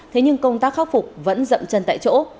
thế nhưng công tác khắc phục vẫn dậm chân tại chỗ